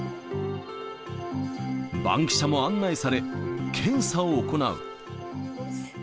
バンキシャも案内され、検査を行う。